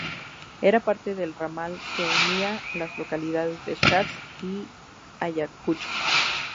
Era parte del ramal que unía las localidades de Chas y Ayacucho.